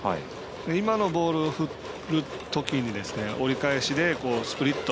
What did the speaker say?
今のボールを振るときに折り返しでスプリット。